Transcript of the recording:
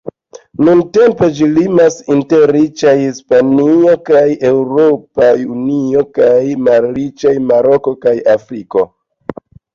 Nuntempe, ĝi limas inter riĉaj Hispanio kaj Eŭropa Unio kaj malriĉaj Maroko kaj Afriko.